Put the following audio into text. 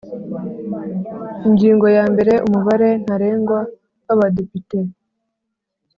Ingingo yambere Umubare ntarengwa wa badepite